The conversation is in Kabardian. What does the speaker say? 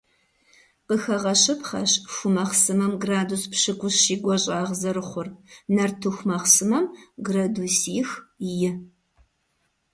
Къыхэгъэщыпхъэщ ху махъсымэм градус пщыкIущ и гуащIагъ зэрыхъур, нартыху махъсымэм - градусих-и.